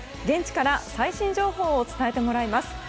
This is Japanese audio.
現地から最新情報を伝えてもらいます。